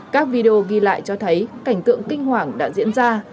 các video ghi lại cho thấy cảnh tượng kinh hoàng đã diễn ra